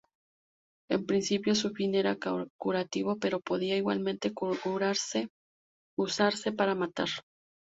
En principio su fin era curativo, pero podía igualmente usarse para matar.